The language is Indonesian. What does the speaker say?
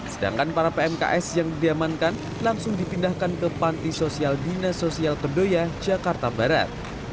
sedangkan para pmks yang diamankan langsung dipindahkan ke panti sosial dinas sosial kedoya jakarta barat